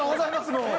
もう。